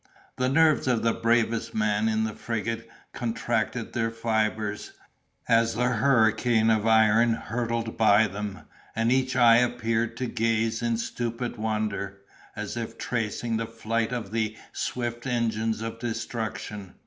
The nerves of the bravest man in the frigate contracted their fibres, as the hurricane of iron hurtled by them, and each eye appeared to gaze in stupid wonder, as if tracing the flight of the swift engines of destruction.